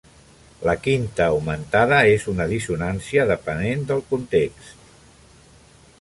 La quinta augmentada és una dissonància dependent del context.